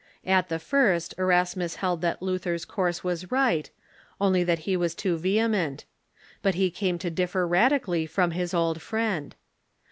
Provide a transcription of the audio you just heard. At the first Erasmus hekl that Luther's course was right, only that he was too a d^L^th* vehement; but he came to differ radically from his old friend.